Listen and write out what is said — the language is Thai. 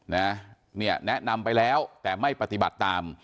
นะเนี่ยแนะนำไปแล้วแต่ไม่ปฏิบัติตาม